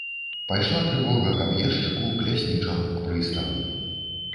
Пайшла трывога к аб'ездчыку, к ляснічаму, к прыставу.